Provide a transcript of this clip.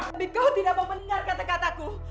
tapi kau tidak mau mendengar kata kataku